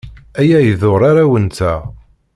Aya iḍurr arraw-nteɣ.